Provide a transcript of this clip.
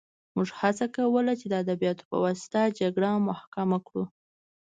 موږ هڅه کوله چې د ادبیاتو په واسطه جګړه محکومه کړو